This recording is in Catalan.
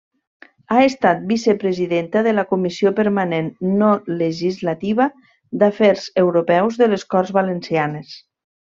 Ha estat vicepresidenta de la Comissió Permanent no legislativa d'Afers Europeus de les Corts Valencianes.